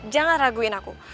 jangan raguin aku